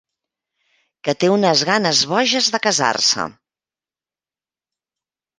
Que té unes ganes boges de casar-se.